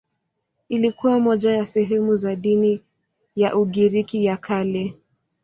Ilikuwa moja ya sehemu za dini ya Ugiriki ya Kale.